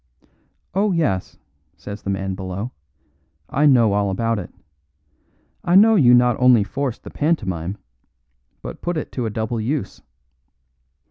"Oh, yes," says the man below, "I know all about it. I know you not only forced the pantomime, but put it to a double use.